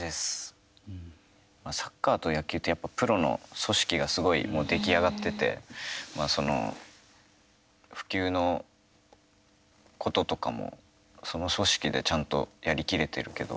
サッカーと野球ってプロの組織がすごい出来上がってて普及のこととかもその組織でちゃんとやり切れてるけど。